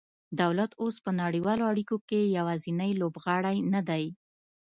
دولت اوس په نړیوالو اړیکو کې یوازینی لوبغاړی نه دی